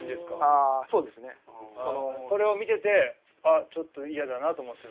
あそうですね。それを見ててあっちょっと嫌だなと思ってた？